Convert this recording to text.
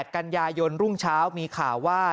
กันยายนรุ่งเช้ามีข่าวว่า